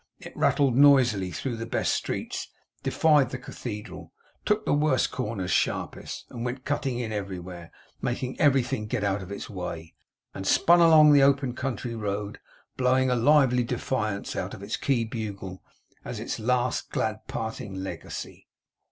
It rattled noisily through the best streets, defied the Cathedral, took the worst corners sharpest, went cutting in everywhere, making everything get out of its way; and spun along the open country road, blowing a lively defiance out of its key bugle, as its last glad parting legacy.